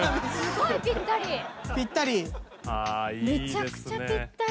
めちゃくちゃぴったり。